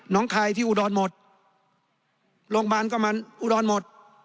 น้องคลายที่อุดรนด์หมดโรงพยาบาลก็มาอุดรนด์หมด